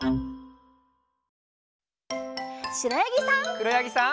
しろやぎさん。